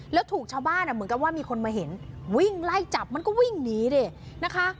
แล้วถูกชาวบ้านอ่ะเหมือนกับว่ามีคนมาเห็นวิ่งไล่จับมันก็วิ่งหนีดินะคะ